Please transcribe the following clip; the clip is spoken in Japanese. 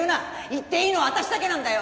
言っていいのは私だけなんだよ。